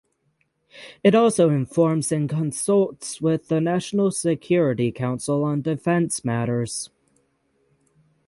It also informs and consults with the National Security Council on defense matters.